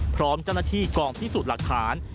พร้อมจัดหน้าที่กล่องที่สุดหลักฐาน